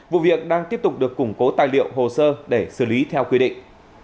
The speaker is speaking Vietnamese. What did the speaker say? vụ việc đang tiếp tục được củng cố tài liệu hồ sơ để xử lý theo quy định